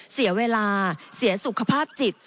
เสียเวลาเสียสุขภาพจิต